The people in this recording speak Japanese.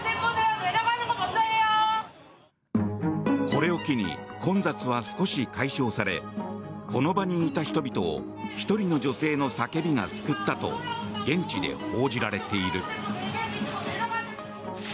これを機に混雑は少し解消されこの場にいた人々を１人の女性の叫びが救ったと現地で報じられている。